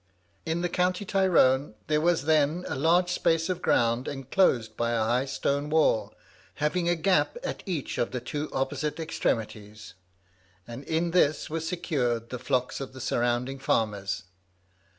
In the county Tyrone there was then a large space of ground enclosed by a high stone wall, having a gap at each of the two opposite extremities, and in this were secured the flocks of the surrounding farmers.